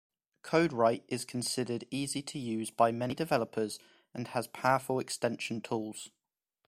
CodeWright is considered easy to use by many developers and has powerful extension tools.